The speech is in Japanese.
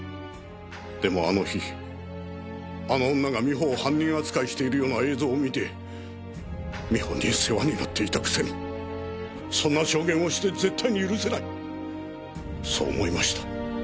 でもあの日あの女が美穂を犯人扱いしているような映像を見て美穂に世話になっていたくせにそんな証言をして絶対に許せないそう思いました。